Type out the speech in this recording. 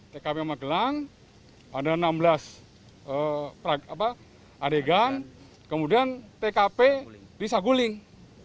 tkp magelang ada enam belas adegan kemudian tkp bisa guling